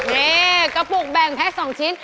นี่กระปุกแบ่งแพ็ค๒ชิ้น